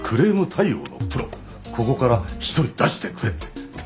ここから１人出してくれって頼まれてね。